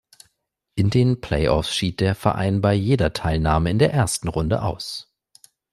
In den Playoffs schied der Verein bei jeder Teilnahme in der ersten Runde aus.